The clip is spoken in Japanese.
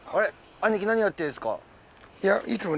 兄貴何やってるんですか？